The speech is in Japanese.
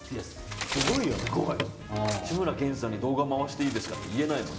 志村けんさんに動画を回していいですかって言えないもん。